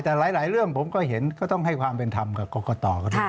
แต่หลายเรื่องผมก็เห็นก็ต้องให้ความเป็นธรรมกับกรกตกันด้วย